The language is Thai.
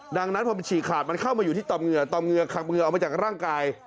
ดังนั้นพอมันฉีกขาดมันเข้ามาอยู่ที่ตอมเหงื่อต่อมเหงื่อขับเหงื่อออกมาจากร่างกาย